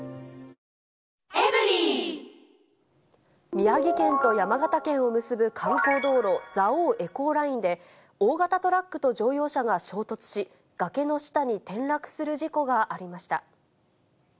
宮城県と山形県を結ぶ観光道路、蔵王エコーラインで、大型トラックと乗用車が衝突し、崖の下に転落する事故がありました。